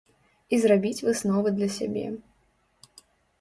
І зрабіць высновы для сябе.